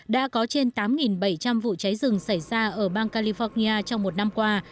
đã có trên tám bảy trăm linh vụ cháy rừng xảy ra ở bang california trong một năm qua